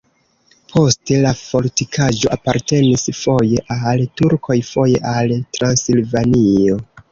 Poste la fortikaĵo apartenis foje al turkoj, foje al Transilvanio.